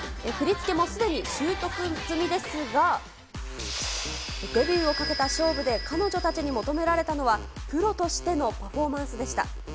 振り付けもすでに習得済みですが、デビューをかけた勝負で彼女たちに求められたのは、プロとしてのパフォーマンスでした。